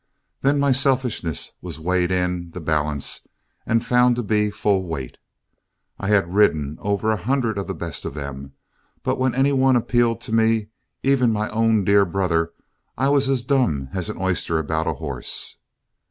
Then my selfishness was weighed in the balance and found to be full weight. I had ridden over a hundred of the best of them, but when any one appealed to me, even my own dear brother, I was as dumb as an oyster about a horse.